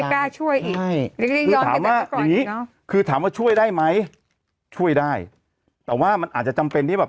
กล้าช่วยอีกใช่คือถามว่าอย่างนี้คือถามว่าช่วยได้ไหมช่วยได้แต่ว่ามันอาจจะจำเป็นที่แบบ